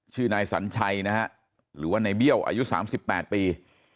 ชื่อนายสัญชัยนะฮะหรือว่าในเบี้ยวอายุ๓๘ปี